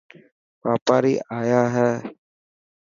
واپاري آيا هي.